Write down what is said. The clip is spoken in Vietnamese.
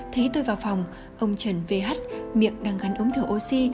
thấy tôi vào phòng ông trần vh miệng đang gắn ống thửa oxy